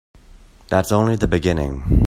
That's only the beginning.